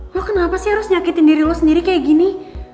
lo kenapa sih harus nyakitin diri lo sendiri kayak gini